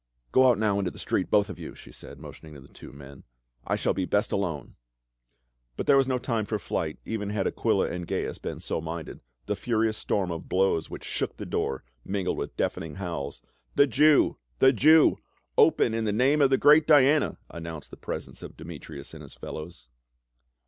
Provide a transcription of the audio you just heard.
" Go out now into the street, both of you," she said, motioning tp the two men. " I shall be best alone." But there was no time for flight, even had Aquila and Gains been so minded, the furious storm of blow.* which shook the door, mingled with deafening howls, " The Jew ! the Jew ! Open in the name of the great Diana !" announced the presence of Demetrius and his fellows.